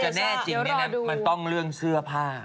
จะแน่จริงมันต้องเรื่องเสื้อผ้า